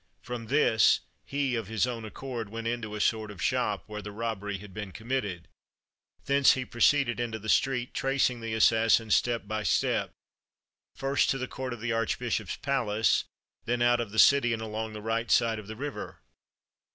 From this, he, of his own accord, went into a sort of shop where the robbery had been committed; thence he proceeded into the street, tracing the assassin, step by step, first to the court of the archbishop's palace, then out of the city, and along the right side of the river.